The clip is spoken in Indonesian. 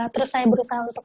terus saya berusaha untuk